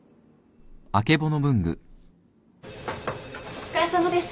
お疲れさまです。